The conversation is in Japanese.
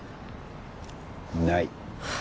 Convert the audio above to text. ない。